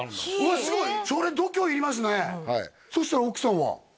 すごいそれ度胸いりますねそしたら奥さんは？